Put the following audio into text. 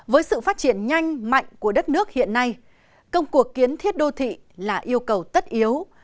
với sự phát triển nhanh mạnh của đất nước hiện nay công cuộc kiến thiết đô thị là yêu cầu tất yếu